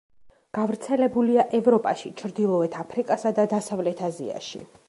გავრცელებულია ევროპაში, ჩრდილოეთ აფრიკასა და დასავლეთ აზიაში.